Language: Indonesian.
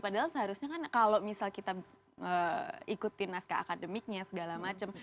padahal seharusnya kan kalau misal kita ikutin naskah akademiknya segala macam